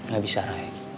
gak bisa rai